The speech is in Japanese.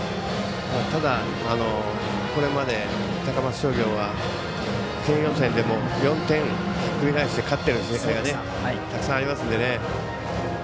ただ、これまで高松商業は県予選でも４点ひっくり返して勝った試合がたくさんありますんでね。